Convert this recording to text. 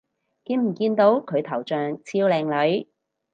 見唔見到佢頭像超靚女